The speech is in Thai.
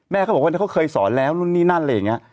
เขาบอกว่าเขาเคยสอนแล้วนู่นนี่นั่นอะไรอย่างนี้